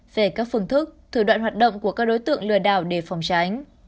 để phòng tránh